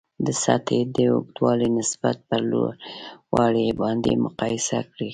د سطحې د اوږدوالي نسبت پر لوړوالي باندې مقایسه کړئ.